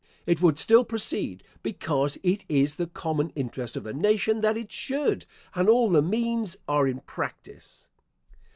It would still proceed, because it is the common interest of the nation that it should, and all the means are in practice.